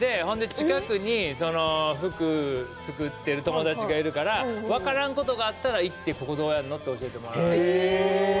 近くに服を作っている友達がいるから分からんことがあったら行ってここをどうやるの？って聞いて。